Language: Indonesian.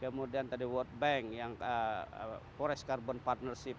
kemudian tadi world bank yang forest carbon partnership